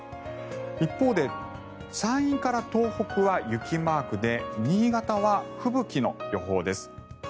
一方で山陰から東北は雪マークで新潟は吹雪の予報です。